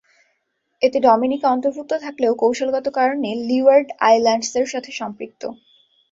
এতে ডোমিনিকা অন্তর্ভুক্ত থাকলেও কৌশলগত কারণে লিওয়ার্ড আইল্যান্ডসের সাথে সম্পৃক্ত।